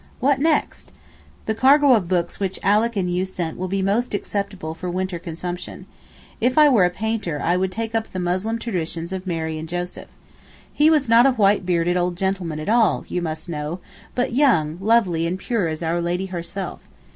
what next? The cargo of books which Alick and you sent will be most acceptable for winter consumption. If I were a painter I would take up the Moslem traditions of Joseph and Mary. He was not a white bearded old gentleman at all you must know, but young, lovely and pure as Our Lady herself.